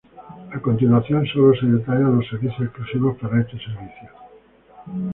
A continuación solo se detallan los sencillos exclusivos para este servicio.